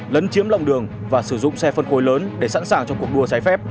lấn chiếm lòng đường và sử dụng xe phân khối lớn để sẵn sàng cho cuộc đua trái phép